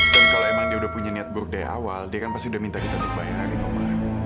dan kalau emang dia udah punya niat buruk dari awal dia kan pasti udah minta kita untuk bayar hari nomor